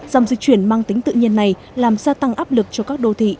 dòng di chuyển mang tính tự nhiên này làm gia tăng áp lực cho các đô thị